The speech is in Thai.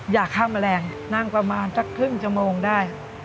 อยากฆ่าแมลงนั่งประมาณสักครึ่งชั่วโมงได้